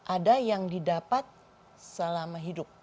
ada yang didapat selama hidup